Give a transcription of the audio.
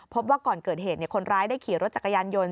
พบว่าก่อนเกิดเหตุคนร้ายได้ขี่รถจักรยานยนต์